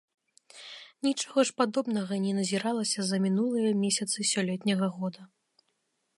Нічога ж падобнага не назіралася за мінулыя месяцы сёлетняга года.